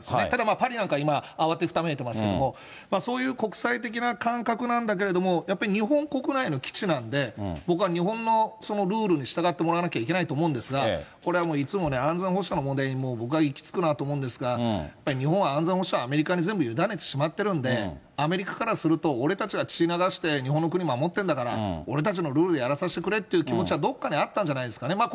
ただパリなんかは今、慌てふためいてますけど、そういう国際的な感覚なんだけれども、やっぱり日本国内の基地なんで、僕は日本のルールに従ってもらわなきゃいけないと思うんですが、これはもう、いつもね、安全保障の問題に僕は行き着くなと思うんですが、やっぱり日本は安全保障をアメリカに全部委ねてしまってるんで、アメリカからすると、俺たちは血を流して日本の国を守ってるんだから、俺たちのルールでやらさせてくれっていう気持ちはどっかにあったんじゃないですかね。